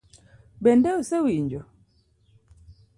Bende osewinjo?